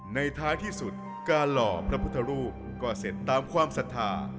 ท้ายที่สุดการหล่อพระพุทธรูปก็เสร็จตามความศรัทธา